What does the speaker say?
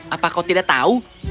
apa kau tidak tahu